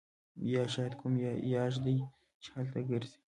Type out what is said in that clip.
یا شاید کوم یاږ دی چې هلته ګرځي